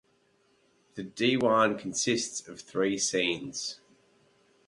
The diwan consists of three scenes.